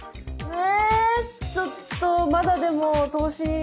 え⁉